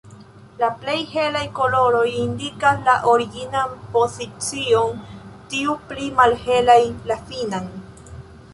La pli helaj koloroj indikas la originan pozicion, tiuj pli malhelaj la finan.